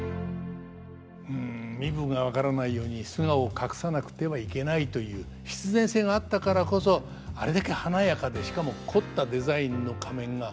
うん身分が分からないように素顔を隠さなくてはいけないという必然性があったからこそあれだけ華やかでしかも凝ったデザインの仮面が生まれてきたんでしょうね。